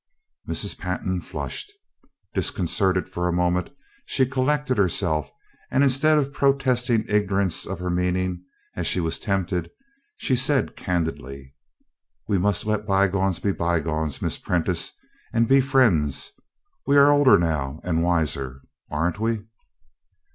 Mrs. Pantin flushed. Disconcerted for a moment, she collected herself, and instead of protesting ignorance of her meaning, as she was tempted, she said candidly: "We must let bygones be bygones, Miss Prentice, and be friends. We are older now, and wiser, aren't we?"